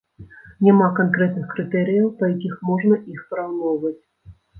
Няма канкрэтных крытэрыяў, па якіх можна іх параўноўваць.